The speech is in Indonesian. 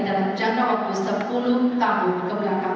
dalam jangka waktu sepuluh tahun kebelakang